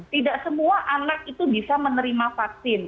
tidak semua anak itu bisa menerima vaksin